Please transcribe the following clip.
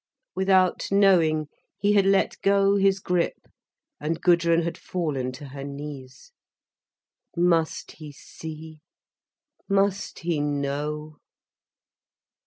Without knowing, he had let go his grip, and Gudrun had fallen to her knees. Must he see, must he know?